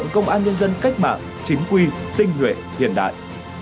công an nhân dân cách mạng chính quy tinh nguyện hiện đại